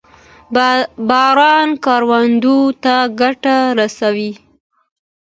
باران کروندو ته ګټه رسوي.